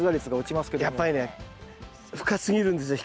やっぱりね深すぎるんですね。